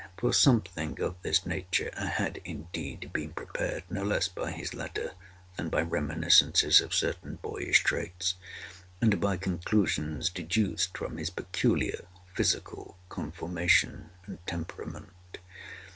For something of this nature I had indeed been prepared, no less by his letter, than by reminiscences of certain boyish traits, and by conclusions deduced from his peculiar physical conformation and temperament.